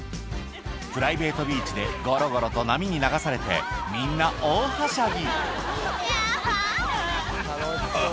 プライベートビーチでごろごろと波に流されて、みんな大はしゃぎ。